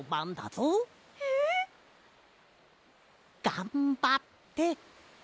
がんばって。